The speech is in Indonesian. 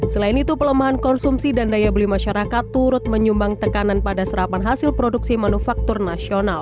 selain itu pelemahan konsumsi dan daya beli masyarakat turut menyumbang tekanan pada serapan hasil produksi manufaktur nasional